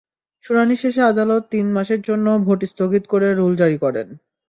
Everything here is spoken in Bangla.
শুনানি শেষে আদালত তিন মাসের জন্য ভোট স্থগিত করে রুল জারি করেন।